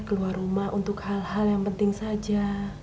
keluar rumah untuk hal hal yang penting saja